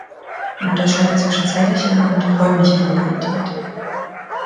Man unterscheidet zwischen zeitlicher und räumlicher Lokalität.